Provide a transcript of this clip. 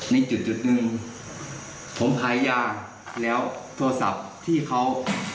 ในจุดหนึ่งผมขายยาแล้วโทรศัพท์ที่เขา